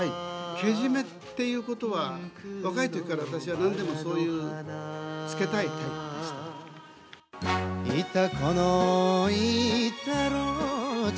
けじめっていうことは、若いときから私はなんでもそういうつけたいタイプでした。